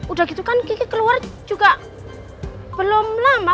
udah gitu kan kiki keluar juga belum lama